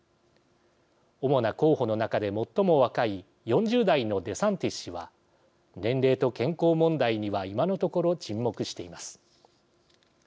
主な候補の中で最も若い４０代のデサンティス氏は年齢と健康問題には今のところ沈黙しています。